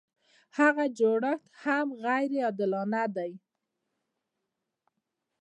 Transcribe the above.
هغه جوړښت هم غیر عادلانه دی.